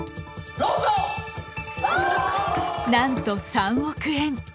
なんと３億円！